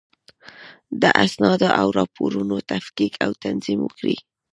د اسنادو او راپورونو تفکیک او تنظیم وکړئ.